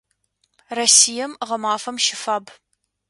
Россием гъэмафэм щыфаб.